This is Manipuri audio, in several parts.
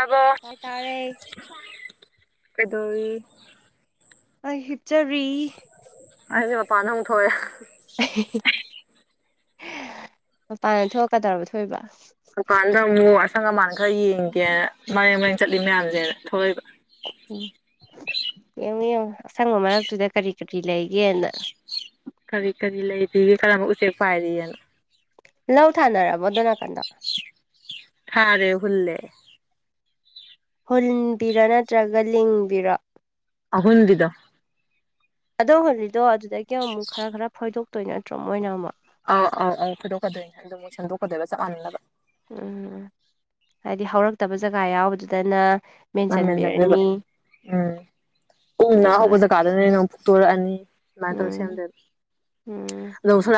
ꯑꯕꯣ ꯍꯣꯏ ꯇꯥꯔꯦ ꯀꯗ ꯑꯩ ꯍꯤꯞꯆꯔꯤ ꯑꯩꯗꯤꯦ ꯃꯄꯥꯟꯗ ꯑꯃꯨꯛ ꯊꯣꯛꯑꯦ ꯃꯄꯥꯟꯅ ꯊꯣꯛꯀꯗꯧꯔꯕ ꯊꯣꯛꯏꯕ ꯗꯨꯀꯥꯟꯗ ꯑꯃꯨꯛ ꯑꯁꯪ ꯑꯃꯥꯟ ꯈꯔ ꯌꯦꯡꯒꯦꯅ ꯃꯔꯦꯡ ꯃꯔꯦꯡ ꯆꯠꯂꯤ ꯃꯌꯥꯝꯁꯦ ꯊꯣꯛꯂꯛꯏꯕ ꯎꯝ ꯌꯦꯡꯉꯣ ꯌꯦꯡꯉꯣ ꯑꯁꯪꯕ ꯃꯔꯛꯇꯨꯗ ꯀꯔꯤ ꯀꯔꯤ ꯂꯩꯒꯦꯅ ꯀꯔꯤ ꯀꯔꯤ ꯂꯩꯔꯤꯒꯦ ꯀꯔꯝꯕ ꯎꯆꯦꯛ ꯄꯥꯏꯔꯤꯑꯅꯣ ꯂꯧ ꯊꯥꯅꯔꯕꯣ ꯑꯗꯨ ꯅꯥꯀꯥꯟꯗ ꯊꯥꯔꯦ ꯍꯜꯂꯦ ꯍꯨꯟꯕꯤꯔ ꯅꯠꯇ꯭ꯔꯒ ꯂꯤꯡꯕꯤꯔꯣ ꯑ ꯍꯟꯗꯣ ꯑꯣ ꯉꯜꯂꯤꯗꯣ ꯑꯗꯨꯗꯒꯤ ꯑꯃꯨꯛ ꯈꯔ ꯈꯔ ꯐꯣꯏꯗꯣꯛꯇꯣꯏ ꯅꯠꯇ꯭ꯔꯣ ꯃꯣꯏꯅ ꯑꯃꯨꯛ ꯑꯥꯎ ꯑꯥꯎ ꯑꯥꯎ ꯐꯣꯏꯗꯣꯛꯀꯗꯣꯏꯅꯦ ꯑꯗꯨꯕꯨ ꯁꯦꯝꯗꯣꯛꯀꯗꯣꯏꯕ ꯆꯞ ꯃꯥꯟꯅꯅꯕ ꯎꯝ ꯎꯝ ꯍꯥꯏꯗꯤ ꯍꯧꯔꯛꯇꯕ ꯖꯒꯥ ꯌꯥꯎꯕꯗꯨꯗꯅ ꯑꯃ ꯑꯦꯦꯟꯖꯟꯗ ꯃꯦꯟꯁꯤꯟꯕꯤꯔꯅꯤ ꯎꯝ ꯎꯨꯡꯅ ꯑꯗꯨꯒ ꯍꯧꯕꯖꯠ ꯀꯥꯗ ꯅ ꯐꯨꯛꯇꯣꯔꯛꯑꯅꯤ ꯑꯗꯨꯃꯥꯏꯅ ꯇꯧꯔ ꯎꯝ ꯎꯝ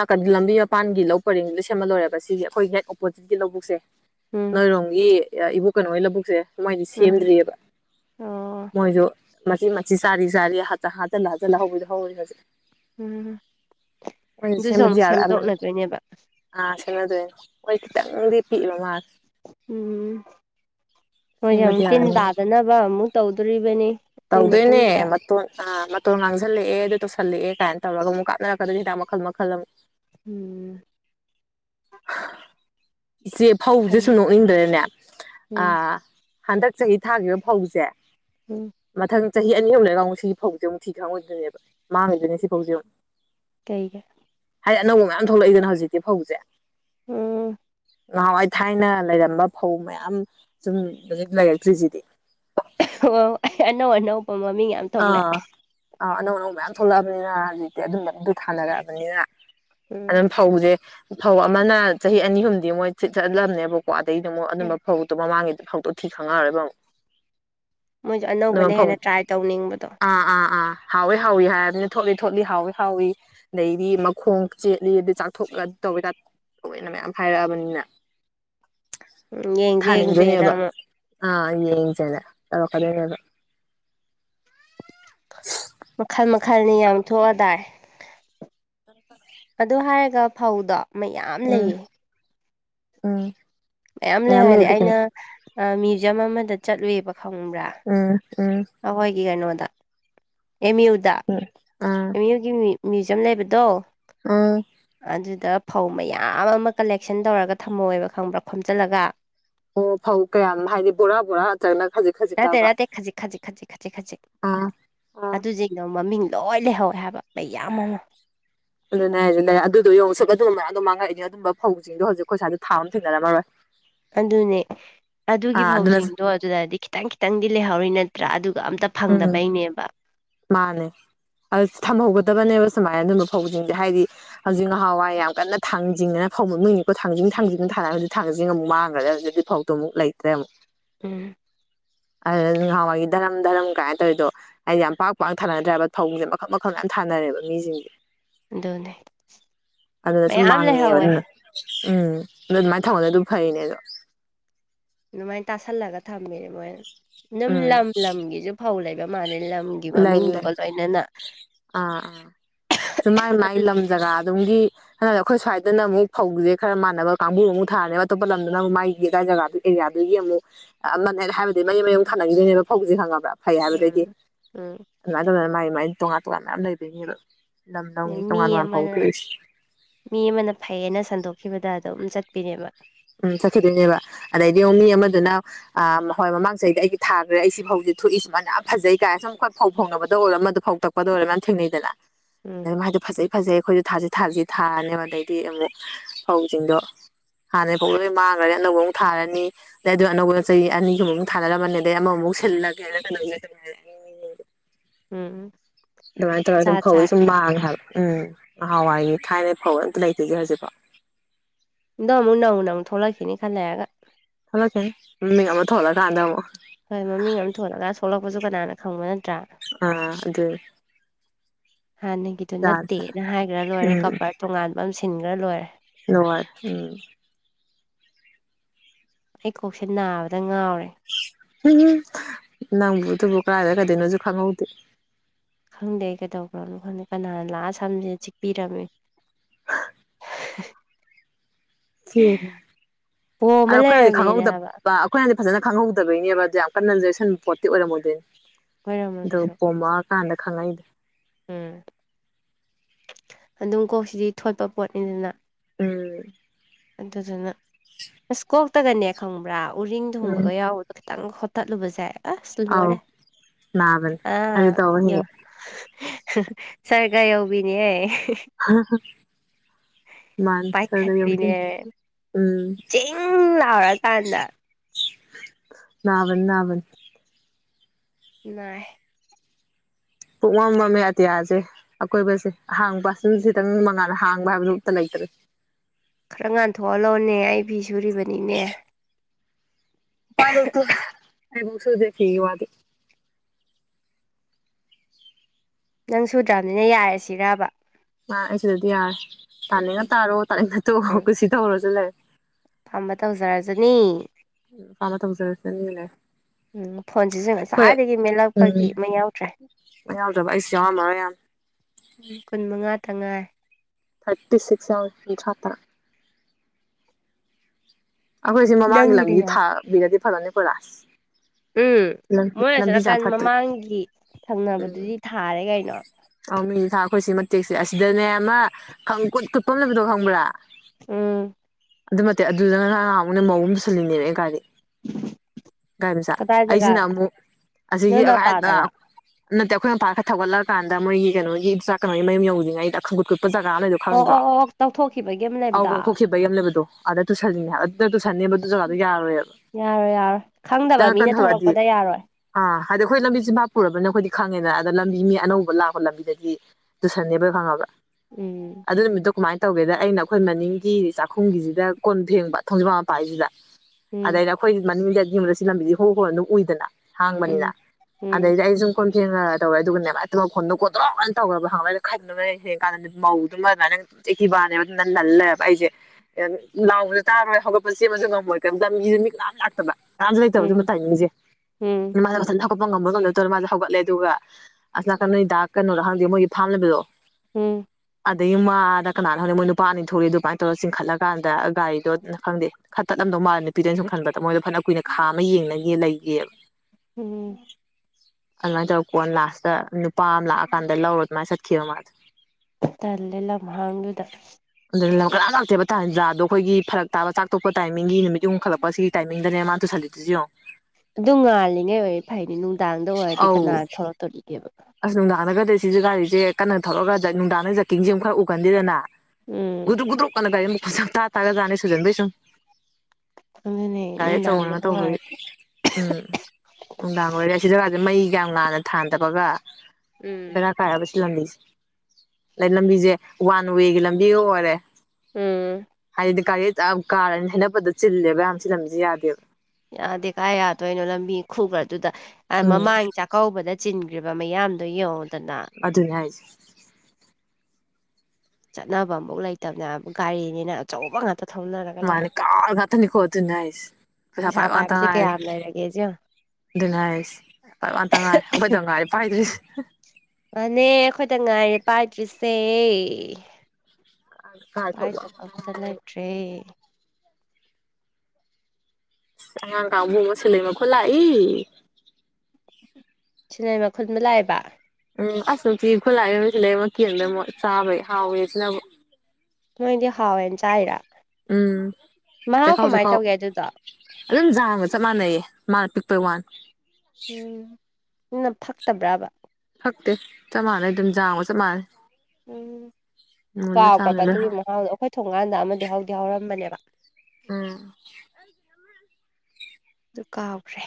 ꯁꯦꯝꯗꯦ ꯂꯝꯕꯤ ꯃꯄꯥꯟꯒꯤ ꯂꯧ ꯄꯔꯤꯡꯗꯣ ꯁꯦꯝꯍꯜꯂꯣꯏꯦꯕ ꯁꯤꯒꯤ ꯑꯩꯈꯣꯏꯒꯤ ꯍꯦꯛ ꯑꯣꯄꯣꯖꯤꯠꯀꯤ ꯂꯧꯕꯨꯛꯁꯦ ꯎꯝ ꯅꯣꯏꯔꯣꯝꯒꯤ ꯏꯕꯣꯛ ꯀꯩꯅꯣꯒꯤ ꯂꯧꯕꯕꯨꯛꯁꯦ ꯃꯣꯏꯗꯤ ꯎꯝ ꯁꯦꯝꯗ꯭ꯔꯤꯑꯕ ꯑꯣ ꯃꯣꯏꯁꯨ ꯃꯆꯤ ꯃꯆꯤ ꯆꯥꯔꯤ ꯆꯥꯔꯤ ꯍꯥꯠꯇꯜ ꯍꯥꯖꯤꯅꯍꯧꯕꯤꯗꯣ ꯍꯧꯔꯤ ꯍꯧꯖꯤꯛ ꯎꯝ ꯃꯣꯏꯁꯨ ꯑꯗꯨꯁꯨ ꯁꯦꯝꯕꯗꯤ ꯑꯃꯨꯛ ꯌꯥꯔꯛꯑꯃꯅꯤ ꯁꯦꯝꯗꯣꯛꯅꯗꯣꯏꯅꯦꯕ ꯑꯥ ꯁꯦꯝꯅꯗꯣꯏꯅꯦ ꯍꯣꯏ ꯈꯤꯇꯪꯗꯤ ꯄꯤꯛꯏꯕ ꯃꯥꯜꯂꯤ ꯎꯝ ꯍꯣꯏꯁ ꯁꯦꯝꯕꯗꯤ ꯑꯃꯨꯛ ꯇꯤꯟ ꯌꯥꯔꯅꯤ ꯇꯥꯗꯅꯕ ꯑꯃꯨꯛ ꯇꯧꯗꯣꯔꯤꯕꯅꯤ ꯑꯗꯨꯏ ꯇꯧꯗꯣꯏꯅꯦ ꯃꯇꯨꯡꯗ ꯃꯇꯣꯟ ꯇꯣ ꯉꯥꯡꯁꯤꯜꯂꯛꯑꯦ ꯑꯗꯨ ꯇꯧꯁꯤꯜꯂꯑ ꯀꯥꯏ ꯇꯧꯔꯒ ꯑꯃꯨꯛ ꯀꯞꯅꯔꯛꯀꯗ ꯍꯤꯗꯥꯛ ꯃꯈꯜ ꯃꯈꯜ ꯑꯃ ꯎꯝ ꯏꯆꯦ ꯐꯧꯁꯦ ꯃꯈꯜ ꯁꯨꯝ ꯃꯈꯜ ꯅꯣꯛꯅꯤꯡꯗꯔꯅꯦ ꯎꯝ ꯑꯥ ꯍꯟꯗꯛ ꯆꯍꯤ ꯊꯥꯈꯤꯕ ꯐꯧꯁꯦ ꯎꯝ ꯃꯊꯪ ꯆꯍꯤ ꯑꯅꯤ ꯑꯍꯨꯝ ꯂꯩꯔꯒ ꯑꯃꯨꯛ ꯁꯤ ꯐꯧꯖꯦ ꯑꯃꯨꯛ ꯊꯤ ꯈꯪꯉꯣꯏꯗꯣꯏꯅꯦꯕ ꯃꯥꯡꯉꯤꯗꫭꯏꯅꯦ ꯁꯤ ꯐꯧꯖꯦ ꯑꯃꯨꯛ ꯀꯩꯒ ꯍꯥꯏꯗꯤ ꯑꯅꯧꯕ ꯃꯌꯥꯝ ꯊꯣꯛꯂꯛꯏꯗꯅ ꯍꯧꯖꯤꯛꯇꯤ ꯐꯧꯁꯦ ꯎꯝ ꯅꯍꯥꯟꯋꯥꯏ ꯊꯥꯏꯅ ꯂꯩꯔꯝꯕ ꯐꯧ ꯃꯌꯥꯝ ꯁꯨꯝ ꯍꯧꯖꯤ ꯂꯩꯔꯛꯇ꯭ꯔꯤꯁꯤꯗꯤ ꯑꯣ ꯑꯅꯧ ꯑꯅꯧꯕ ꯃꯃꯤꯡ ꯌꯥꯝ ꯑꯥ ꯊꯣꯛꯂꯛꯑꯦ ꯑꯥ ꯑꯅꯧ ꯑꯅꯧ ꯃꯌꯥꯝ ꯊꯣꯛꯂꯛꯑꯕꯅꯤꯅ ꯍꯧꯖꯤꯛꯇꯤ ꯑꯗꯨꯝꯕ ꯑꯗꯨꯗꯨ ꯊꯥꯅꯔꯛꯑꯕꯅꯤꯅ ꯎꯝ ꯑꯗꯨꯝ ꯐꯧꯁꯦ ꯐꯧ ꯑꯃꯅ ꯆꯍꯤ ꯑꯅꯤ ꯑꯍꯨꯝꯗꯤ ꯃꯣꯏ ꯁꯤꯠ ꯊꯠꯂꯝꯕꯅꯦꯕ ꯑꯗꯒꯤꯩꯗꯨ ꯑꯃꯛ ꯎꯝ ꯑꯗꯨꯝꯕ ꯐꯧꯗꯣ ꯃꯃꯥꯡꯒꯤꯗ ꯐꯧꯗꯣ ꯊꯤ ꯈꯪꯉꯧꯔꯦꯕ ꯑꯃꯨꯛ ꯃꯣꯏꯁꯨ ꯑꯗꯨꯝꯕ ꯑꯅꯧꯕꯅ ꯐꯧ ꯍꯦꯟꯅ ꯇ꯭ꯔꯥꯏ ꯇꯧꯅꯤꯡꯕꯗꯣ ꯑꯥ ꯑꯥ ꯑꯥ ꯍꯥꯎꯋꯏ ꯍꯥꯎꯏ ꯍꯥꯏꯕꯅꯤ ꯊꯣꯠꯂꯤ ꯊꯣꯠꯂꯤ ꯍꯥꯎꯋꯤ ꯍꯥꯎꯏꯤ ꯑꯗꯩꯗꯤ ꯃꯈꯣꯡ ꯆꯦꯠꯂꯤ ꯑꯗꯨꯩ ꯆꯥꯛꯊꯣꯛ ꯇꯧꯋꯦ ꯇꯏꯅ ꯃꯌꯥꯝ ꯍꯥꯏꯔꯛꯑꯕꯅꯤꯅ ꯎꯝ ꯌꯦꯡꯁꯦ ꯌꯦꯡꯁꯦꯅ ꯊꯥꯅꯤꯡꯗꯣꯏꯅꯦꯕ ꯑꯃꯨꯛ ꯑꯥ ꯌꯦꯡꯁꯦꯅꯦ ꯇꯧꯔꯛꯀꯗꯣꯏꯅꯦꯕ ꯃꯈꯜ ꯃꯈꯜꯅꯤ ꯌꯥꯝ ꯊꯣꯛꯑꯗꯥꯏ ꯑꯗꯨ [unintelligible] ꯑꯗꯨ ꯍꯥꯏꯔꯒ ꯐꯧꯗꯣ ꯃꯌꯥꯝ ꯎꯝ ꯂꯩꯌꯦ ꯎꯝ ꯃꯌꯥꯝ ꯂꯩ ꯍꯥꯏꯔꯗꯤ ꯂꯩꯔꯗꯤ ꯀꯩꯅꯣ ꯑꯩꯅ ꯃ꯭ꯌꯨꯖꯝ ꯑꯃꯗ ꯆꯠꯂꯨꯏꯌꯦꯕ ꯈꯪꯕ꯭ꯔꯥ ꯎꯝ ꯎꯝ ꯑꯩꯈꯣꯏꯒꯤ ꯀꯩꯅꯣꯗ ꯑꯦꯝ ꯌꯨꯗ ꯎꯝ ꯑꯥ ꯑꯦꯝ ꯌꯨꯒꯤ ꯃꯤ ꯃ꯭ꯌꯨꯖꯌꯝ ꯂꯩꯕꯗꯣ ꯎꯝ ꯑꯗꯨꯗ ꯐꯧ ꯃꯌꯥꯝ ꯑꯃ ꯀꯂꯦꯛꯁꯟ ꯇꯧꯔꯒ ꯊꯝꯃꯧꯋꯦꯕ ꯈꯪꯕ꯭ꯔꯥ ꯈꯣꯝꯖꯜꯂꯒ ꯑꯣ ꯐꯧ ꯀꯌꯥꯝ ꯍꯥꯏꯗꯤ ꯕꯣꯔꯥ ꯕꯣꯔꯥ ꯆꯪꯅ ꯈꯖꯤꯛ ꯨꯅꯠꯇꯦ ꯈꯖꯤꯛꯂꯕ ꯅꯠꯇꯦ ꯈꯖꯤꯛ ꯈꯖꯤꯛ ꯈꯖꯤꯛ ꯈꯖꯤꯛ ꯈꯖꯤꯛ ꯑꯥ ꯑꯥ ꯑꯗꯨꯖꯤꯛ ꯑꯗꯣ ꯃꯃꯤꯡ ꯂꯣꯏ ꯂꯩꯍꯧꯋꯦ ꯍꯥꯏꯕ ꯃꯌꯥꯝ ꯑꯃ ꯑꯗꯨꯅꯦ ꯍꯥꯏꯖꯦ ꯂꯩ ꯑꯗꯨꯗꯣ ꯌꯦꯡꯉꯨ ꯁꯨꯞ ꯑꯗꯨꯒꯝꯕ ꯑꯗꯨꯝ ꯃꯥꯡꯍꯟ ꯑꯗꯨꯝꯕ ꯐꯧꯁꯤꯡꯗꯣ ꯍꯧꯖꯤꯛ ꯑꯩꯈꯣꯏ ꯁꯥꯏꯗ ꯊꯥꯕ ꯑꯃ ꯊꯦꯡꯅꯔꯝꯃꯔꯣꯏ [inaudible] ꯑꯗꯨꯅꯦ ꯑꯗꯨꯒꯤ ꯑꯥ ꯑꯗꯨꯅ ꯐꯧꯁꯤꯡꯗꯣ ꯑꯗꯨꯗꯗꯤ ꯈꯤꯇꯪ ꯈꯤꯇꯪꯗꯤ ꯂꯩꯍꯧꯔꯤ ꯅꯠꯇ꯭ꯔꯥ ꯑꯗꯨꯒ ꯑꯝꯇ ꯎꯝ ꯐꯪꯗꯕꯩꯅꯦꯕ ꯃꯥꯅꯦ ꯑ ꯊꯝꯍꯧꯒꯗꯕꯅꯦꯕ ꯁꯨꯃꯥꯏꯅ ꯑꯗꯨꯝꯕ ꯐꯧꯁꯤꯡꯁ ꯍꯥꯏꯗꯤ ꯎꯝ ꯍꯧꯖꯤꯛ ꯉꯍꯥꯟꯋꯥꯏ ꯌꯥꯝ ꯀꯟꯅ ꯊꯥꯡꯖꯤꯡꯅ ꯐꯧ ꯃꯃꯤꯡꯅꯤꯀꯣ ꯊꯥꯡꯖꯤꯡ ꯊꯥꯡꯖꯤꯡꯗ ꯊꯥꯔꯒ ꯊꯥꯡꯖꯤꯡ ꯑꯃꯨꯛ ꯃꯥꯡꯒ꯭ꯔꯦ ꯍꯧꯖꯤꯗꯤ ꯐꯧꯗꯣ ꯑꯃꯨꯛ ꯂꯩꯇ꯭ꯔꯦ ꯑꯃꯨꯛ ꯎꯝ ꯑꯗꯨ ꯅꯍꯥꯟꯋꯥꯏꯒꯤ ꯙꯔꯝ ꯙꯔꯝ ꯀꯥꯏꯅ ꯇꯧꯔꯤꯗꯣ ꯍꯥꯏꯗꯤ ꯌꯥꯝ ꯄꯥꯛ ꯄꯥꯛ ꯊꯥꯅꯗ꯭ꯔꯥ ꯍꯥꯏꯕ ꯐꯧꯁꯦ ꯃꯈꯜ ꯃꯈꯜ ꯌꯥꯝ ꯊꯥꯅꯔꯦꯕ ꯃꯤꯖꯤꯡꯖꯦ ꯑꯗꯨꯅꯦ ꯑꯗꯨꯅꯁꯨꯨꯝ ꯃꯌꯥꯝ ꯃꯥꯡꯉꯦꯕ ꯂꯩꯍꯧꯋꯦ ꯑꯗꯨꯅ ꯎꯝ ꯑꯗꯨ ꯑꯗꯨꯃꯥꯏꯅ ꯊꯧꯝꯍꯧꯗꯣ ꯑꯗꯨꯝ ꯐꯩꯅꯦ ꯑꯗꯣ ꯑꯗꯨꯃꯥꯏꯅ ꯇꯥꯁꯜꯂꯒ ꯊꯝꯃꯦꯅꯦ ꯃꯣꯏꯅ ꯑꯗꯨꯝ ꯎꯝ ꯂꯝ ꯂꯝꯒꯤꯁꯨ ꯐꯧ ꯂꯩꯕ ꯃꯥꯂꯦ ꯂꯝꯒꯤ ꯂꯩ ꯂꯩ ꯃꯃꯤꯡꯗꯨꯒ ꯂꯣꯏꯅꯅ ꯑꯥ ꯑꯥ ꯃꯥꯏ ꯃꯥꯏ ꯑꯗꯨ ꯂꯝ ꯖꯒꯥ ꯑꯗꯨꯝꯒꯤ ꯑꯩꯈꯣꯏ ꯁ꯭ꯋꯥꯏꯗꯅ ꯃꯨꯛ ꯐꯧꯁꯦ ꯈꯔꯥ ꯃꯥꯟꯅꯕ ꯀꯥꯡꯕꯨ ꯑꯃꯨ ꯊꯔꯅꯦꯕ ꯑꯇꯣꯞꯄ ꯂꯝꯗꯅ ꯑꯃꯨꯛ ꯃꯥꯒꯤ ꯀꯗꯥꯏ ꯖꯒꯥꯗꯨꯗꯤ ꯑꯦꯔꯤꯌꯥꯗꯨꯒꯤ ꯑꯃꯨꯛ ꯑꯃꯅꯥ ꯍꯥꯏꯕꯗꯤ ꯃꯔꯤ ꯃꯔꯤ ꯊꯥꯅꯈꯤꯗꯣꯏꯅꯦꯕ ꯐꯧꯁꯦ ꯈꯪꯉꯕ꯭ꯔꯥ ꯐꯩ ꯍꯥꯏꯕꯗꯒꯤ ꯎꯝ ꯎꯝ ꯑꯗꯨꯃꯥꯏꯅ ꯇꯧꯗꯅ ꯃꯥꯒꯤ ꯃꯥꯏ ꯇꯣꯉꯥꯟ ꯇꯣꯉꯥꯟ ꯃꯌꯥꯝ ꯂꯩꯕꯅꯦꯕ ꯂꯝ ꯂꯝꯒꯤ ꯃꯤ ꯇꯣꯉꯥꯟ ꯇꯣꯉꯥꯟ ꯐꯥꯎ ꯑꯃꯅ ꯊꯣꯛꯏꯁꯦ ꯃꯤ ꯑꯃꯅ ꯐꯩꯌꯦꯅ ꯁꯟꯗꯣꯛꯈꯤꯕꯗ ꯑꯗꯨꯝ ꯆꯠꯄꯤꯅꯦꯕ ꯎꯝ ꯆꯠꯈꯤꯗꯣꯏꯅꯦꯕ ꯑꯗꯩꯗꯤ ꯌꯦꯡꯉꯨ ꯃꯤ ꯑꯃꯗꯨꯅ ꯑꯥ ꯍꯣꯏ ꯃꯃꯥꯡ ꯆꯍꯤꯗ ꯑꯩꯒꯤ ꯊꯥꯈ꯭ꯔꯦ ꯑꯩꯁꯤ ꯐꯧꯁꯦ ꯊꯣꯛꯏ ꯁꯨꯃꯥꯏꯅ ꯌꯥꯝ ꯐꯖꯩ ꯀꯥꯏ ꯁꯨꯝ ꯈꯣꯏ ꯐꯧ ꯐꯧꯅꯕꯗ ꯑꯣꯏꯔ ꯃꯗ ꯐꯧ ꯇꯛ ꯄꯗ ꯑꯣꯏꯔ ꯊꯦꯡꯅꯩꯗꯅ ꯑꯗꯩ ꯎꯝ ꯃꯗꯣ ꯐꯖꯩ ꯐꯖꯩ ꯑꯩꯈꯣꯏꯁꯨ ꯊꯥꯁꯤ ꯊꯥꯁꯤ ꯊꯥꯔꯅꯦꯕ ꯑꯗꯩꯗꯤ ꯑꯃꯨꯛ ꯐꯧꯁꯤꯡꯗꯣ ꯍꯥꯟꯅꯩ ꯐꯧ ꯂꯣꯏ ꯃꯥꯡꯒꯔꯅꯤ ꯑꯅꯧꯕ ꯑꯃꯨꯛ ꯊꯥꯔꯅꯤ ꯑꯗꯩ ꯑꯗꯨ ꯑꯅꯧꯕ ꯆꯍꯤ ꯑꯅꯤꯒꯨꯃꯨꯛ ꯊꯥꯅꯔꯝꯃꯅꯤ ꯑꯗꯩꯗꯤ ꯑꯃꯃꯨꯛ ꯁꯤꯜꯂꯒꯦ [unintelligible] ꯎꯝ ꯎꯝ ꯑꯗꯨꯃꯥꯏꯅ ꯇꯧꯔꯒ ꯁꯨꯝ ꯐꯧ ꯁꯨꯝ ꯃꯥꯡꯉꯦ ꯍꯥꯏꯕ ꯎꯝ ꯅꯍꯥꯟꯋꯥꯏꯒꯤ ꯊꯥꯏꯅꯒꯤ ꯐꯧ ꯑꯝꯇ ꯂꯩꯇꯤꯖꯦ ꯍꯧꯖꯤꯛꯐꯥꯎ ꯍꯟꯗꯛ ꯑꯃꯨꯛ ꯅꯧꯅ ꯑꯃꯨꯛ ꯊꯣꯛꯈꯤꯅꯤ ꯈꯔ ꯂꯩꯔꯒ ꯊꯣꯛꯂꯛꯈꯤꯅꯤ ꯃꯃꯤꯡ ꯑꯃ ꯊꯣꯜꯂꯀꯥꯟꯗ ꯑꯃꯨꯛ ꯍꯣꯏ ꯃꯃꯤꯡ ꯑꯃ ꯊꯣꯜꯂꯒ ꯁꯣꯛꯂꯛꯄꯁꯨ ꯀꯅꯥꯅ ꯈꯪꯕ ꯅꯠꯇ꯭ꯔꯥ ꯑꯥ ꯑꯗꯨꯅꯦ ꯍꯥꯟꯅꯒꯤꯗꯨ ꯖꯥꯠ ꯅꯠꯇꯦꯅ ꯍꯥꯏꯈ꯭ꯔ ꯂꯣꯏꯔꯦ ꯎꯝ ꯀꯕꯔ ꯇꯣꯉꯥꯟꯕ ꯑꯃ ꯁꯤꯟꯈ꯭ꯔ ꯂꯣꯏꯔꯦ ꯎꯝ ꯑꯩ ꯀꯣꯛꯁꯦ ꯅꯥꯕꯗ ꯉꯥꯎꯔꯦ ꯎꯝ ꯅꯪꯕꯨ ꯑꯗꯨꯕꯨ ꯀꯗꯥꯥꯏꯗ ꯀꯩꯗꯣꯏꯅꯣꯖꯨ ꯈꯪꯍꯧꯗꯦ ꯈꯪꯗꯦ ꯀꯩꯗꯧꯈ꯭ꯔꯕꯅꯣ ꯈꯪꯗꯦ ꯀꯅꯥꯅ ꯂꯥꯛꯑꯒ ꯁꯝꯖꯦ ꯆꯤꯛꯄꯤꯔꯝꯃꯤ [unintelligible] ꯑꯗꯣ ꯄꯣꯝꯃ ꯑꯩꯈꯣꯏꯅꯗꯤ ꯂꯩꯔꯝꯃꯤꯅꯦ ꯍꯥꯏꯕ ꯈꯪꯍꯧꯗꯕ ꯑꯩꯈꯣꯏ ꯍꯥꯟꯅ ꯐꯖꯅ ꯈꯪꯍꯧꯗꯕꯩꯅꯦꯕ ꯑꯗꯣ ꯌꯥꯝ ꯀꯟꯅ ꯂꯩꯁꯟꯕ ꯄꯣꯠꯇꯤ ꯑꯣꯏꯔꯝꯃꯣꯏ ꯗꯣꯏꯅꯤ ꯑꯣꯏꯔꯝꯃꯣꯏ ꯑꯗꯨ ꯀꯩꯁꯨ ꯄꯣꯃꯛ ꯀꯥꯟꯗ ꯈꯪꯉꯛꯏꯗꯦ ꯎꯝ ꯑꯗꯨꯝ ꯀꯣꯛꯁꯤꯗꯤ ꯊꯣꯠꯄ ꯄꯣꯠꯅꯤꯗꯅ ꯎꯝ ꯑꯗꯨꯗꯨꯅ ꯑꯁ ꯀꯣꯛꯇꯒꯅꯦ ꯈꯪꯕ꯭ꯔꯥ ꯎꯔꯤꯡ ꯎꯝ ꯊꯨꯡꯕꯒ ꯌꯥꯎꯕꯗ ꯈꯤꯇꯪ ꯍꯣꯠꯇꯠꯂꯨꯕꯖꯦ ꯑꯁ ꯑꯥꯎ ꯂꯣꯏꯔꯦ ꯅꯥꯕꯅꯦ ꯑꯗꯨ ꯑꯥ ꯇꯧꯕ ꯍꯦꯛ ꯁꯔꯒ ꯌꯧꯕꯤꯅꯦꯍ ꯃꯥꯟꯁꯒꯗ ꯄꯥꯏꯈꯠꯄꯤꯅꯦ ꯆꯤꯡ ꯂꯥꯎꯔꯀꯥꯟꯗ ꯅꯕꯥꯅꯦ ꯅꯕꯥꯅꯦ ꯅꯥꯏ ꯄꯣꯛꯃꯝ ꯃꯝꯃꯦ ꯑꯇꯤꯌꯥꯁꯦ ꯑꯀꯣꯏꯕꯁꯦ ꯑꯍꯥꯡꯕ ꯈꯤꯇꯪ ꯃꯉꯥꯟꯜꯅ ꯍꯥꯡꯕ ꯍꯥꯏꯕꯗꯣ ꯑꯝꯇ ꯂꯩꯇ꯭ꯔꯦ ꯈꯔ ꯉꯥꯟꯊꯣꯛꯍꯂꯣꯅꯦ ꯑꯩ ꯐꯤ ꯁꯨꯔꯤꯕꯅꯤꯅꯦ ꯎꯄꯥꯏ ꯂꯩ ꯇꯦ ꯑꯩꯕꯨ ꯁꯨꯗꯦ ꯐꯤꯒꯤ ꯋꯥꯗꯤ ꯅꯪ ꯁꯨꯗ꯭ꯔꯕꯅꯤꯅ ꯌꯥꯔꯦꯁꯤꯔꯕ ꯑ ꯑꯩꯁꯤꯗꯗꯤ ꯌꯥꯔꯦ ꯇꯥꯅꯤꯡꯉ ꯎꯝ ꯇꯥꯔꯣ ꯇꯥꯅꯤꯡꯒ ꯇꯣꯛꯑꯣ ꯀꯨꯁꯤ ꯇꯧꯔꯁꯨ ꯂꯩꯔꯦ ꯐꯝꯕ ꯇꯧꯖꯔꯁꯤꯅꯤ ꯀꯥꯃ ꯇꯧ ꯖꯁꯂꯦ ꯎꯝ ꯐꯣꯟꯁꯤꯁꯨ ꯉꯁꯋꯥꯏꯗꯒꯤ ꯎꯝ ꯃꯦꯜꯠꯂꯛꯄꯒꯤ ꯃꯩ ꯌꯥꯎꯗ꯭ꯔꯦ ꯌꯥꯎꯗ꯭ꯔꯕ ꯑꯩꯁꯨ ꯌꯥꯎꯔꯝꯃꯔꯣꯏ ꯌꯥꯝ ꯀꯨꯟ ꯃꯉꯥ ꯇꯉꯥꯏ ꯑꯥꯏꯇꯤ ꯁꯤꯛꯁ ꯌꯥꯎꯑꯦ ꯀꯨꯊꯔ ꯇ ꯑꯩꯈꯣꯏꯁꯦ ꯃꯃꯥꯡꯒꯤ ꯅꯪꯒꯤꯗ ꯂꯝꯕꯤꯁ ꯌꯥꯎ ꯊꯥꯕꯤꯔꯗꯤ ꯐꯔꯅꯤꯀꯣꯏꯔꯥꯁ ꯎꯝ ꯃꯣꯏꯅꯁꯨ ꯌꯥꯝ ꯅꯥꯀꯟ ꯐꯠꯇ꯭ꯔꯦ ꯃꯃꯥꯡꯒꯤ ꯊꯪꯅꯕꯗꯨꯗꯤ ꯊꯥꯔꯦ ꯀꯩꯅꯣ ꯑ ꯃꯤꯅꯤ ꯊꯥ ꯑꯩꯈꯣꯏꯁꯤ ꯃꯇꯦꯛꯁꯦ ꯑꯁꯤꯗꯅꯦ ꯑꯃ ꯈꯪ ꯀꯨꯠ ꯀꯨꯠꯄ ꯂꯩꯕꯗꯣ ꯈꯪꯕ꯭ꯔꯥ ꯎꯝ ꯑꯗꯨꯝ ꯅꯠꯇꯦ ꯑꯗꯨꯗ ꯉꯥꯍꯥꯃꯨꯛꯅꯦ ꯃꯧꯝ ꯄꯨꯨꯁꯜꯂꯤꯅꯦ ꯑꯩ ꯒꯥꯔꯤ ꯃꯆꯥ ꯀꯗꯥꯏ ꯑꯩꯁꯤꯅ ꯖꯒꯥꯗ ꯑꯃꯨꯛ ꯑꯁꯤꯒꯤ ꯅꯣꯏ ꯃꯄꯥꯗꯔꯣ [unintelligible] ꯅꯠꯇꯦ ꯑꯩꯈꯣꯏ ꯃꯄꯥ ꯈ ꯊꯧꯒꯠꯂꯀꯥꯟꯗ ꯃꯣꯏꯒꯤ ꯀꯩꯅꯣꯒꯤ ꯏꯆꯥ ꯀꯩꯅꯣꯒꯤ ꯃꯌꯨꯝ ꯌꯧꯗꯔꯤꯉꯩꯗ ꯈꯪꯒꯨꯠ ꯈꯨꯠꯄ ꯖꯒꯥ ꯂꯩꯗꯣ ꯑꯣ ꯈꯪꯗ꯭ꯔꯣ ꯑꯣ ꯑꯣ ꯇꯧꯊꯣꯛꯈꯤꯕꯒꯤ ꯑꯃ ꯂꯩꯕꯗꯣ ꯑꯧꯔꯧꯊꯣꯛꯈꯤꯕꯩ ꯑꯝ ꯂꯩꯕꯗꯣ ꯑꯥꯗ ꯇꯨꯁꯟꯂꯤꯅꯦ ꯑꯗꯨꯗ ꯇꯨꯁꯟꯅꯤꯡꯕ [unintelligible] ꯌꯥꯔꯣꯏ ꯌꯥꯔꯣꯏ ꯈꯪꯗꯕ ꯃꯤꯅ ꯇꯧꯔꯛꯄꯗ ꯌꯥꯔꯣꯏ꯫ ꯑꯥ ꯍꯥꯏꯗꯤ ꯈꯣꯏ ꯂꯝꯕꯤ ꯆꯤꯟꯐꯥ ꯄꯨꯔꯕꯅꯤꯅ ꯈꯣꯏꯗꯤ ꯈꯪꯉꯦꯗ ꯑꯗ ꯂꯝꯕꯤ ꯃꯤ ꯑꯅꯧꯕ ꯂꯥꯛꯄ ꯂꯝꯕꯤꯗꯗꯤ ꯇꯨꯁꯟꯅꯤꯕ ꯈꯪꯉꯕ꯭ꯔ ꯎꯝ ꯑꯗꯨ ꯅꯨꯃꯤꯠꯇꯣ ꯀꯃꯥꯏꯅ ꯇꯧꯒꯦꯗ ꯑꯩꯅ ꯑꯩꯈꯣꯏ ꯃꯅꯤꯡꯒꯤ ꯆꯥꯛꯈꯨꯝꯒꯤꯁꯤꯗ ꯀꯣꯟ ꯐꯦꯡꯕ ꯊꯣꯡꯖꯕꯥꯝ ꯃꯄꯥꯥꯏꯁꯤꯗ [unintelligible] ꯎꯝ ꯑꯗꯩꯗ ꯑꯩꯈꯣꯏ ꯃꯃꯤꯒꯨꯝꯕꯗ ꯁꯤ ꯂꯝꯕꯤꯗꯤ ꯍꯣꯡ ꯍꯣꯡ ꯑꯗꯨꯝ ꯎꯏꯗꯅ ꯍꯥꯡꯕꯅꯤꯅ ꯎꯝ ꯎꯝ ꯑꯗꯩꯗꯤ ꯑꯩ ꯁꯨꯝ ꯀꯣꯟ ꯐꯦꯡꯉꯒ ꯇꯧꯔꯦ ꯑꯗꯨꯒꯅꯦ ꯃꯈꯣꯟ ꯒꯣꯗꯣꯛ ꯅ ꯇꯧꯔꯕ ꯈꯪꯉꯥꯕ ꯑꯩꯅ ꯀꯥꯏꯗꯅꯣ ꯍꯦꯡꯀꯥꯟꯗ ꯃꯧꯗꯨꯃ ꯑꯗꯨꯃ ꯗꯃꯥꯏ ꯑꯦꯛꯇꯤꯕꯥ ꯅꯦꯕ ꯑꯗꯨꯝ ꯅꯜ ꯂꯩꯂꯦꯕ ꯑꯩꯁꯦ ꯂꯥꯎꯕꯁꯨ ꯇꯥꯔꯣꯏ ꯍꯧꯒꯠꯄ ꯆꯦꯃꯁꯨ ꯉꯝꯃꯣꯏ ꯀꯩꯣꯝ ꯃꯤꯁꯦ ꯃꯤ ꯂꯥ ꯂꯥꯛꯇꯕ ꯀꯥꯟꯁꯨ ꯂꯩꯇꯕꯗꯨꯃ ꯎꯝ ꯇ ꯇꯥꯏꯃꯤꯡꯁꯦ ꯎꯝ ꯃꯥꯁꯦ ꯃꯊꯟꯇ ꯍꯧꯒꯠꯄ ꯉꯝꯕ ꯉꯝꯗ ꯇꯧꯔ ꯃꯥꯁꯦ ꯍꯧꯒꯠꯂꯦ ꯑꯗꯨꯒ ꯑꯁ ꯅꯥꯀꯟꯗꯩꯗ ꯀꯩꯅꯣꯗ ꯍꯪꯗꯦ ꯃꯣꯏꯒꯤ ꯐꯥꯝ ꯂꯩꯕꯗꯣ ꯎꯝ ꯑꯗꯩ ꯃꯥꯗ ꯀꯅꯥꯅ ꯈꯪꯗꯦ ꯃꯣꯏ ꯅꯨꯄꯥ ꯑꯅꯤ ꯊꯣꯛꯂꯦ ꯑꯗꯨꯃꯥꯏꯅ ꯇꯧꯔꯒ ꯆꯤꯡꯈꯠꯂꯀꯥꯟꯗ ꯒꯥꯔꯤꯗꯣ ꯈꯪꯗꯦ ꯈꯠꯇꯠꯂꯝꯗꯧ ꯃꯥꯜꯂꯦ ꯅꯨꯄꯤꯗ ꯑꯩꯁꯨꯝ ꯈꯟꯕꯗ ꯃꯣꯏꯗꯣ ꯐꯅ ꯀꯨꯏꯅ ꯈꯥꯝꯃ ꯌꯦꯡꯅꯒꯤ ꯂꯩꯇꯦꯕ꯫ ꯎꯝ ꯑꯗꯃꯥꯏ ꯇꯧꯔ ꯀꯣꯟ ꯂꯥꯁꯇ ꯅꯨꯄꯥ ꯑꯃ ꯂꯥꯛꯑꯀꯥꯟꯗ ꯂꯧꯔ ꯑꯗꯨꯃꯥꯏꯅ ꯆꯠꯈꯤꯕ ꯃꯥ ꯇꯜꯂꯦ ꯂꯝꯍꯥꯡꯗꯨꯗ [unintelligible] ꯇꯥꯟꯖꯥꯗꯣ ꯈꯣꯏꯒꯤ ꯐꯔꯛ ꯇꯥꯕ ꯆꯥꯛꯊꯣꯛꯄ ꯇꯥꯏꯃꯤꯡꯒꯤ ꯅꯨꯃꯤꯠ ꯌꯨꯡꯈꯠꯂꯛꯄ ꯁꯤꯒꯤ ꯇꯥꯏꯃꯤꯡꯗꯅꯦ ꯃꯥ ꯇꯨꯁꯜꯂꯤꯗꯨꯁꯨ ꯌꯦꯡ ꯑꯗꯨ ꯉꯥꯜꯂꯤꯉꯩ ꯑꯣꯏ ꯐꯩꯅꯤ ꯅꯨꯡꯗꯥꯡꯗ ꯑꯣꯏꯔꯗꯤ ꯑꯧ ꯀꯅꯥ ꯊꯣꯛꯂꯛꯇꯣꯔꯤꯒꯦꯕ ꯑꯁ ꯅꯨꯡꯗꯥꯡꯗꯒꯗꯤ ꯁꯤꯁꯦ ꯒꯥꯔꯤꯁꯦ ꯀꯟꯅ ꯊꯧꯔꯛꯒ ꯅꯨꯡꯗꯥꯡꯗ ꯖꯀꯤꯡꯖꯦ ꯑꯃꯛ ꯈꯔ ꯎꯒꯟꯗꯦꯗꯅ ꯎꯝ [unintelligible] ꯁꯨꯖꯟꯕꯩꯁꯨꯝ ꯑꯗꯨꯅꯦ ꯒꯥꯔꯤ ꯑꯆꯧꯕꯅꯒ ꯅꯨꯡꯗꯥꯡꯗꯒ ꯇꯧꯕꯒꯤ ꯑꯣꯏꯔꯗꯤ ꯎꯝ ꯅꯨꯡꯗꯥꯡ ꯑꯣꯏꯔꯦ ꯑꯁꯤ ꯖꯒꯥꯁꯦ ꯃꯩꯒ ꯌꯥꯝ ꯉꯥꯟꯅ ꯊꯥꯟꯗꯕꯒ ꯎꯝ ꯐꯔꯕ ꯁꯤ ꯂꯝꯕꯤꯁꯦ ꯑꯗꯩ ꯂꯝꯕꯤꯖꯦ ꯋꯥꯟ ꯋꯦꯒꯤ ꯂꯝꯕꯤꯒ ꯑꯣꯏꯔꯦ ꯎꯝ ꯍꯥꯏꯗꯤ ꯒꯥꯔꯤ ꯆꯥꯝ ꯀꯥꯔꯑꯅꯤ ꯊꯩꯅꯕꯗ ꯆꯤꯜꯂꯦꯕ ꯌꯥꯝ ꯁꯤꯂꯝꯕꯤꯁꯦ ꯌꯥꯗꯦꯕ ꯌꯥꯗꯦ ꯀꯥꯏ ꯌꯥꯗꯣꯏꯅꯣ ꯂꯝꯕꯤ ꯈꯨꯈ꯭ꯔꯗꯨꯗ ꯑ ꯎꯝ ꯃꯃꯥꯡ ꯆꯥꯛ ꯀꯧꯕꯗ ꯆꯤꯟꯈ꯭ꯔꯤꯕ ꯃꯌꯥꯝꯗꯣ ꯌꯦꯡꯉꯨꯗꯅ ꯑꯗꯨꯅꯦ ꯍꯥꯏꯁꯦ ꯆꯠꯅꯕꯝꯕꯧ ꯂꯩꯇꯕꯅꯦ ꯒꯥꯔꯤꯅꯦꯅ ꯑꯆꯧꯕ ꯉꯥꯛꯇ ꯊꯧꯅꯔꯒ ꯃꯥꯅꯦ ꯂꯥꯛꯑꯦ ꯀꯥꯔ ꯉꯥꯛꯇꯅꯤꯀꯣ ꯑꯗꯨꯅꯦ ꯍꯥꯏꯁꯦ ꯄꯩꯁꯥ ꯄꯥꯏꯕ ꯉꯥꯛꯇ ꯄꯥꯏꯕꯁꯦ ꯉꯥꯏꯔꯦ ꯀꯌꯥꯝ ꯂꯩꯔꯒꯦꯁꯦ ꯌꯦꯡꯉꯣ ꯑꯗꯨꯅ ꯍꯥꯏꯁ ꯄꯥꯏꯕ ꯉꯇꯥ ꯉꯥꯏꯔꯦ ꯑꯈꯣꯏꯗ ꯉꯥꯏꯔꯦ ꯄꯥꯏꯗ꯭ꯔꯤꯁꯦ ꯃꯥꯅꯦ ꯑꯈꯣꯏꯗ ꯉꯥꯏꯔꯦ ꯄꯥꯏꯗ꯭ꯔꯤꯁꯦ ꯀꯥꯔ ꯊꯧꯕ ꯉꯥꯛꯇ ꯄꯥꯏꯗꯕꯝꯇ ꯉꯥꯏꯔꯦꯕ ꯂꯩꯇ꯭ꯔꯦ ꯑꯉꯥꯡꯒꯥꯎ [unintelligible] ꯁꯤꯂꯩ ꯃꯈꯨ ꯂꯥꯛꯏ ꯁꯤꯂꯩꯕ ꯈꯨꯟꯕ ꯂꯥꯛꯑꯦꯕ ꯎꯝ ꯑꯁ ꯅꯨꯡꯇꯤ ꯈꯨꯠꯂꯥꯏ [unintelligible] ꯆꯥꯕꯩ ꯍꯥꯎꯋꯦ ꯁꯤꯅꯕꯨ ꯅꯣꯏꯗꯤ ꯍꯥꯎꯋꯦꯅ ꯆꯥꯏꯔꯥ ꯎꯝ ꯃꯍꯥꯎ ꯆꯦꯈꯥꯎ ꯀꯃꯥꯏꯅ ꯆꯦꯈꯥꯎ ꯇꯧꯒꯦ ꯑꯗꯨꯗꯣ ꯑꯗꯨꯝ ꯖꯥꯡꯒ ꯆꯞ ꯃꯥꯟꯅꯩꯌꯦ ꯃꯥꯅ ꯄꯤꯛꯄꯩ ꯋꯥꯟ ꯎꯝ ꯅꯥ ꯐꯛꯇꯕ꯭ꯔꯥꯕ ꯐꯛꯇꯦ ꯆꯞ ꯃꯥꯟꯅꯩ ꯑꯗꯨꯝ ꯌꯥꯥꯝꯒꯥ ꯆꯞ ꯃꯥꯟꯅꯩ ꯎꯝ ꯃꯨꯜꯂ ꯆꯥꯝꯃꯦ ꯀꯥꯎꯈ꯭ꯔꯕ ꯂꯣꯏ ꯑꯗꯨꯒꯤ ꯍꯥꯎꯏ ꯃꯍꯥꯎꯗꯣ ꯑꯩꯈꯣꯏ ꯊꯣꯡꯀꯥꯟꯗ ꯑꯃꯗꯤ ꯍꯧꯗꯤ ꯍꯧꯔꯝꯕꯅꯦꯕ ꯎꯝ ꯑꯗꯨ ꯀꯥꯎꯈ꯭ꯔꯦ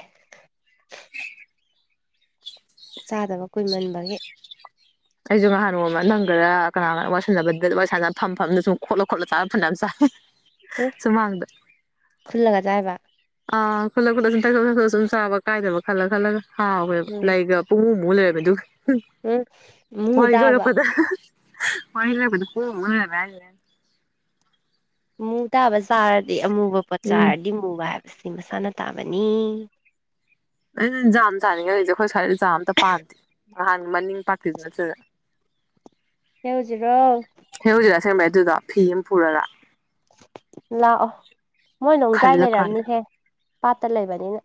ꯆꯥꯗꯕ ꯀꯨꯏꯃꯟꯕꯒꯤ ꯑꯩꯁꯨ ꯅꯍꯥꯟ ꯅꯣꯡꯃ ꯅꯪꯒꯔ ꯀꯅꯥꯒ ꯋꯥꯔꯤ ꯁꯥꯟꯅꯕꯗꯨꯗ ꯋꯥꯔꯤ ꯁꯥꯟꯅ ꯐꯝ ꯐꯝꯅ ꯁꯨꯝ ꯈꯣꯠꯂ ꯈꯣꯠꯂꯣ ꯆꯥ ꯐꯅ ꯆꯥ ꯎꯝ ꯁꯨꯃꯥꯡꯗ ꯈꯨꯜꯂꯒ ꯆꯥꯏꯕ ꯑ ꯈꯨꯠꯂꯛ ꯈꯨꯠꯂ ꯁꯨꯝ ꯊꯛꯗ ꯊꯛꯆꯠ ꯁꯨꯝ ꯆꯥꯕ ꯀꯥꯏꯗꯕ ꯈꯜꯂ ꯈꯜꯂꯒ ꯍꯥꯎꯋꯦꯕ ꯎꯝ ꯂꯩꯒ ꯄꯨꯡꯃꯨ ꯃꯨ ꯂꯩꯔꯝꯃꯦ ꯗꯨꯒ ꯎꯝ ꯃꯨ ꯋꯥꯔꯤ ꯇꯥꯕ ꯂꯣꯏꯔꯛꯄꯗ ꯋꯔꯤ ꯂꯥꯏꯔꯛꯄꯗ ꯄꯨꯡꯃꯨꯛ ꯍꯣꯜꯂꯝꯃꯦ ꯍꯥꯏꯁꯤꯅꯤ ꯃꯨ ꯇꯥꯕ ꯆꯥꯔꯗꯤ ꯑꯃꯨꯕ ꯄꯣꯠ ꯎꯝ ꯆꯥꯔꯗꯤ ꯃꯨꯕ ꯍꯥꯏꯕꯁꯤ ꯃꯁꯥꯅ ꯇꯥꯕꯅꯤ ꯑꯩꯅ ꯖꯥꯝ ꯆꯥꯅꯤꯉꯦꯂꯩꯁꯦ ꯑꯈꯣꯏ ꯁ꯭ꯋꯥꯏꯗ ꯖꯥꯝ ꯑꯝꯇ ꯄꯥꯟꯗꯦ ꯅꯍꯥꯟ ꯃꯅꯤꯡ ꯄꯥꯛꯇꯤꯗꯨ ꯅꯠꯇꯗ [inaudible] ꯍꯦꯎꯖꯤꯔꯣ ꯍꯦꯎꯖꯤꯔꯥ ꯑꯁꯦꯡꯕꯩ ꯑꯗꯨꯗꯣ ꯐꯤ ꯑꯝ ꯄꯨꯔꯒ ꯂꯥꯛꯑꯣ ꯃꯣꯏ ꯅꯣꯡꯗ꯭ꯔꯥꯏ ꯈꯜꯂꯀꯥꯟꯗ ꯂꯩꯔꯝꯅꯤꯍꯦ ꯄꯥꯠꯇ ꯂꯩꯕꯅꯤꯅ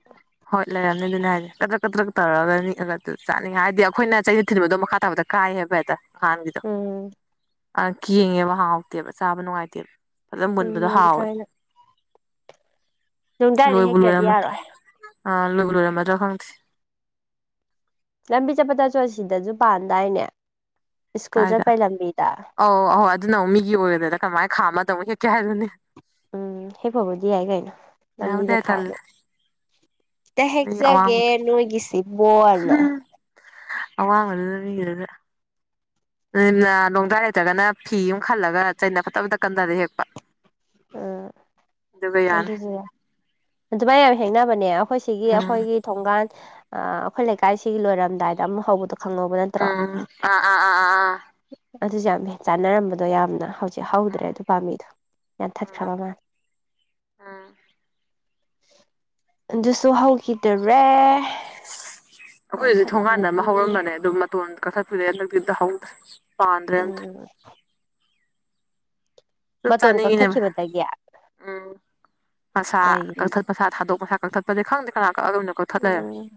ꯍꯣꯏ ꯂꯩꯔꯝꯅꯤ ꯑꯗꯨꯅꯦ ꯍꯥꯏꯗꯤ ꯀꯗꯔꯛ ꯀꯇ꯭ꯔꯛ ꯇꯧꯔꯒ ꯅꯤꯛꯑꯒ ꯑꯗꯨ ꯆꯥꯅꯤꯡ ꯍꯥꯏꯗꯤ ꯑꯈꯣꯏꯅ ꯆꯩꯅ ꯊꯤꯟꯕꯗꯣ ꯃꯈꯥ ꯇꯥꯕꯗ ꯀꯥꯏꯍꯦꯕ ꯍꯦꯇ ꯍꯥꯟꯒꯤꯗꯣ ꯎꯝ ꯑ ꯀꯦꯡꯉꯦꯕ ꯍꯥꯎꯇꯦꯕ ꯆꯥꯕ ꯅꯨꯡꯉꯥꯏꯇꯦꯕ ꯐꯖ ꯎꯝ ꯃꯨꯟꯕꯗ ꯍꯥꯎꯋꯦ ꯂꯣꯡꯗ꯭ꯔꯥꯏꯅ ꯅꯨꯡꯗꯥꯏꯗ ꯍꯦꯛꯇꯗꯤ ꯌꯥꯔꯣꯏ ꯑ ꯂꯣꯏꯕꯨ ꯂꯣꯏꯔꯝꯃꯗꯔꯥ ꯈꯪꯗꯦ ꯂꯝꯕꯤ ꯆꯠꯄ ꯆꯠꯁꯨ ꯁꯤꯗꯁꯨ ꯄꯥꯟꯗꯥꯏꯅꯦ ꯁ꯭ꯀꯨꯜ ꯀꯥꯏꯗ ꯆꯠꯄꯩ ꯂꯝꯕꯤꯗ ꯑꯧ ꯑꯧꯍꯣꯏ ꯑꯗꯨꯅ ꯑꯃꯨ ꯃꯤꯒꯤ ꯑꯣꯏꯗꯅ ꯀꯃꯥꯏꯅ ꯈꯥꯝꯃ ꯑꯗꯥꯃꯨꯛ ꯍꯦꯛꯀꯦ ꯍꯥꯏꯔꯅꯦ ꯎꯝ ꯍꯦꯛꯄꯕꯨꯗꯤ ꯌꯥꯏ ꯀꯩꯅꯣ [unintelligible] ꯇꯥꯜꯂꯤꯗ ꯇ ꯍꯦꯛꯆꯒꯦ ꯅꯣꯏꯒꯤꯁꯤꯕꯣ ꯍꯥꯏꯅ [unintelligible] ꯅꯣꯡꯗꯥ꯭ꯔ ꯂꯩꯇ꯭ꯔꯒꯅ ꯐꯤ ꯑꯃ ꯈꯜꯂꯒ ꯆꯩꯅ ꯐꯠꯇꯕꯇꯠ ꯀꯟꯊꯔ ꯍꯦꯛꯄ ꯎꯝ ꯑꯗꯨꯒ ꯌꯥꯅꯤ ꯑꯗꯨꯁꯨ ꯑꯗꯨꯃꯥꯏꯅ ꯌꯥꯝ ꯍꯦꯡꯅꯕꯅꯦ ꯑꯩꯈꯣꯏ ꯁꯤꯒꯤ ꯎꯝ ꯑꯩꯈꯣꯏꯒꯤ ꯊꯣꯡꯒꯥꯟ ꯑꯩꯈꯣꯏ ꯂꯩꯀꯥꯏꯁꯤ ꯂꯣꯏꯔꯝꯗꯥꯏꯗ ꯑꯃꯨꯛ ꯍꯧꯕꯗꯣ ꯈꯪꯍꯧ ꯎꯝ ꯑꯥ ꯑꯥ ꯑꯥ ꯑꯥ [unintelligible] ꯁꯤ ꯍꯧꯗ꯭ꯔꯦ ꯑꯥ ꯑꯗꯨ ꯄꯥꯝꯕꯤꯗꯣ [unintelligible] ꯎꯝ ꯎꯝ ꯇꯔꯦ ꯎꯝ ꯑꯩꯈꯣꯏ ꯍꯧꯖꯤꯛ ꯊꯣꯡꯒꯥꯟꯗ ꯑꯃ ꯌꯥꯟꯊꯠꯂꯝꯃꯅꯤ ꯍꯧꯔꯝꯕꯅꯦ ꯑꯗꯨ ꯃꯇꯣꯟ ꯀꯥꯛꯊꯠꯄꯤꯔꯦ ꯑꯝꯇ ꯍꯥꯎꯗ ꯄꯥꯟꯗ꯭ꯔꯦ ꯑ ꯎꯝ ꯑꯗꯨꯝ ꯃꯇꯣꯟ ꯆꯥꯅꯤꯡꯉꯤꯅꯦꯕ ꯀꯛꯊꯛꯈꯤꯕꯗꯒꯤ [unintelligible] ꯃꯁꯥ ꯀꯩꯒꯤꯅꯣ ꯀꯛꯊꯠ ꯃꯁꯥ ꯊꯥꯗꯣꯛꯄꯁꯥ ꯀꯛꯊꯠꯄꯗꯤ ꯈꯪꯗꯦ ꯀꯅꯥ ꯀꯛꯃꯤꯅꯤ ꯑꯗꯨꯝꯅ ꯀꯛꯊꯠ ꯂꯩꯔꯝ ꯎꯝ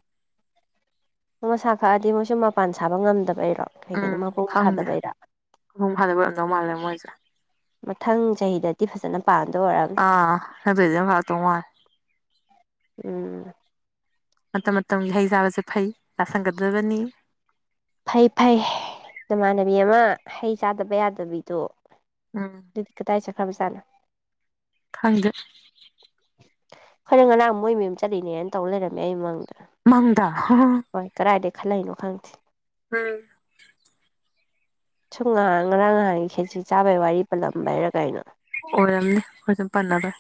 ꯃꯁꯥ ꯈꯛꯑꯗꯤ ꯃꯣꯏꯁꯨ ꯃꯄꯥꯟ ꯁꯥꯕ ꯉꯝꯗꯕꯩꯔꯣ ꯀꯩꯒꯤꯅꯣ ꯎꯝ ꯃꯄꯨꯡ ꯈꯪꯗꯦ ꯐꯥꯗꯕꯩꯔꯥ [unintelligible] ꯑꯣꯏꯔꯝꯗꯧ ꯃꯥꯜꯂꯦ ꯃꯣꯏꯁꯦ ꯃꯊꯪ ꯆꯍꯤꯗꯗꯤ ꯐꯖꯅ ꯄꯥꯟꯗ ꯑꯣꯏꯔ ꯑꯥ ꯑꯗꯨꯗꯩꯗꯤ ꯐꯥ ꯇꯣꯡꯉꯥꯏ ꯎꯝ ꯃꯇꯝ ꯃꯇꯝꯒꯤ ꯍꯩ ꯆꯥꯕꯁꯦ ꯐꯩ ꯂꯥꯁꯟꯒꯗꯕꯅꯤ ꯐꯩ ꯐꯩ ꯅꯃꯥꯟꯅꯕꯤ ꯑꯃ ꯍꯩ ꯆꯥꯗꯕ ꯌꯥꯗꯕꯤꯗꯣ [unintelligible] ꯑꯗꯨꯗꯤ ꯀꯗꯥꯏꯆꯠꯈꯕ ꯆꯥꯠꯂꯣ ꯈꯪꯗꯦ ꯈꯜꯂꯦ ꯉꯔꯥꯡ ꯃꯣꯏ ꯃꯥꯌꯨꯝ ꯆꯠꯂꯤꯅꯦꯅ ꯇꯧꯔ ꯂꯩꯔꯝꯃꯦ ꯑꯩ ꯃꯪꯗꯥ ꯃꯪꯗꯥ ꯍꯣꯏ ꯀꯗꯥꯥꯏꯗꯩ ꯈꯜꯂꯛꯏꯅꯣ ꯈꯪꯗꯦ ꯎꯝ ꯁꯨꯝ ꯉꯍꯥꯟ ꯉꯔꯥꯡ ꯉꯍꯥꯟꯒꯤ ꯈꯦꯠꯆꯤ ꯆꯥꯕꯩ ꯋꯥꯔꯤ ꯄꯜꯂꯝꯕꯩꯔꯥ ꯀꯩꯅꯣ ꯑꯣꯏꯔꯝꯅꯤ ꯑꯩꯈꯣꯏ ꯗꯨꯨꯝ ꯄꯜꯂꯥꯔꯣꯏ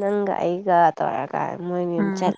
ꯅꯪꯒ ꯑꯩꯒ ꯇꯧꯔꯒ ꯃꯣꯏ ꯃꯥꯌꯨꯝ ꯎꯝ ꯆꯠ